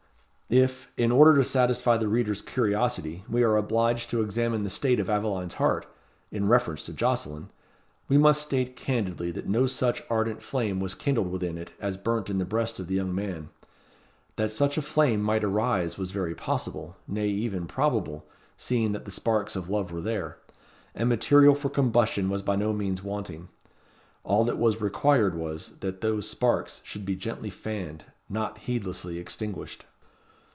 If, in order to satisfy the reader's curiosity, we are obliged to examine the state of Aveline's heart, in reference to Jocelyn, we must state candidly that no such ardent flame was kindled within it as burnt in the breast of the young man. That such a flame might arise was very possible, nay even probable, seeing that the sparks of love were there; and material for combustion was by no means wanting. All that was required was, that those sparks should be gently fanned not heedlessly extinguished.